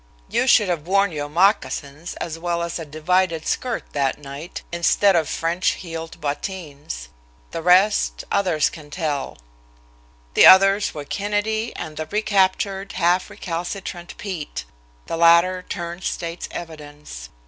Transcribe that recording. You should have worn your moccasins, as well as a divided skirt, that night instead of French heeled bottines. The rest others can tell." The others were Kennedy and the recaptured, half recalcitrant Pete; the latter turned state's evidence.